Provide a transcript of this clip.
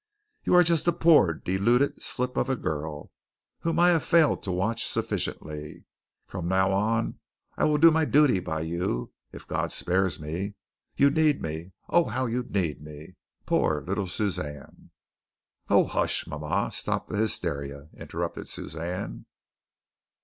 You are just a poor, deluded slip of girl, whom I have failed to watch sufficiently. From now on, I will do my duty by you, if God spares me. You need me. Oh, how you need me. Poor little Suzanne!" "Oh, hush, mama! Stop the hysteria," interrupted Suzanne.